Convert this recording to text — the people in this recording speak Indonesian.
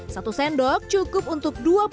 satu sendok cukup untuk